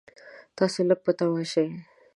تاسو لږ په طمعه شئ.